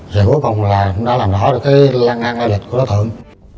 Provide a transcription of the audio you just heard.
rồi cuối cùng là cũng đã làm đổi được cái ngang lao dịch của đá thượng